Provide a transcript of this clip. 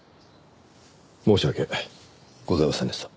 申し訳ございませんでした。